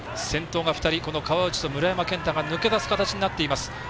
先頭２人、川内と村山謙太が抜け出す形になっています。